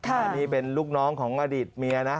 นี่เป็นลูกน้องของอดีตเมียนะ